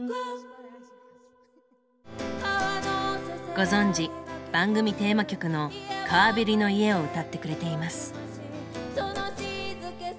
ご存じ番組テーマ曲の「川べりの家」を歌ってくれています。